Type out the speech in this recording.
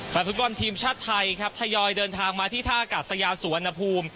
ฟุตบอลทีมชาติไทยครับทยอยเดินทางมาที่ท่ากาศยาสุวรรณภูมิ